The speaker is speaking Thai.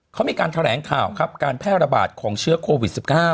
เขามีการแถลงข่าวครับการแพร่ระบาดของเชื้อโควิด๑๙